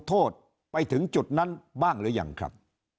โทษไปถึงจุดนั้นบ้างหรือยังครับ